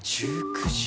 １９時。